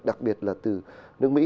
đặc biệt là từ nước mỹ